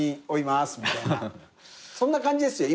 そんな感じですよ